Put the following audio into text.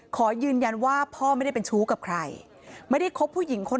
ขอยืนยันว่าพ่อไม่ได้เป็นชู้กับใครไม่ได้คบผู้หญิงคน